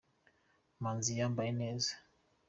Manzi yambaye neza.